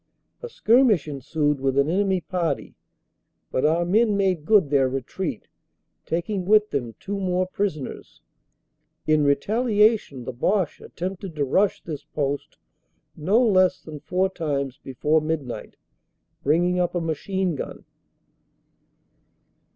A skirmish ensued with an enemy party, but our men made good their retreat, taking with them two more prisoners. In retaliation the Boche attempted to rush this post no less than four times before midnight, bringing up a machine gun.